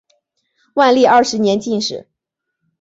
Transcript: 万历二十年进士。